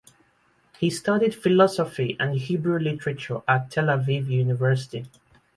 He studied philosophy and Hebrew literature at Tel Aviv University.